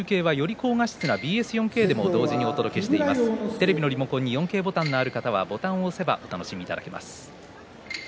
テレビのリモコンに４Ｋボタンがある方はボタンを押せば４Ｋ放送をお楽しみいただけます。